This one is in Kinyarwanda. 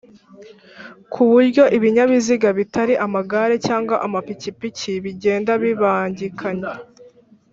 ku buryo ibinyabiziga bitali amagare cyangwa amapikipiki bigenda bibangikanye